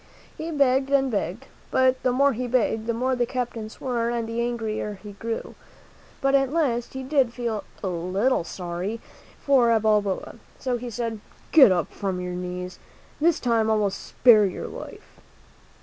He begged and begged, but the more he begged, the more the captain swore and the angrier he grew. But at last, he did feel a little sorry for Balboa; so he said, "Get up from your knees. This time I will spare your life."